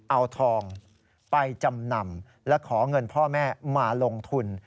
เอาทองไปจำนำและขอเงินพ่อแม่มาลงทุน